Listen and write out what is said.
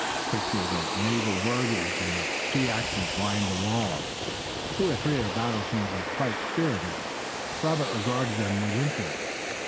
Pictures of naval worthies and of sea actions lined the walls. Two or three of the battle scenes were quite spirited, and Robert regarded them with interest.